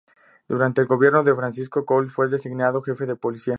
Durante el gobierno de Francisco Coll fue designado jefe de policía.